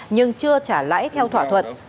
nhưng chưa trả lãi theo thỏa thuận